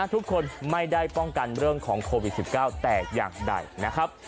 ทุกคนไม่ได้ป้องกันเรื่องของโควิด๑๙แต่อย่างใดนะครับ